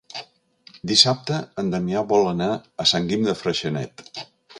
Dissabte en Damià vol anar a Sant Guim de Freixenet.